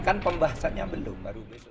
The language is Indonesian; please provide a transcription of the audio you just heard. kan pembahasannya belum